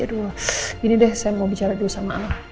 aduh gini deh saya mau bicara dulu sama al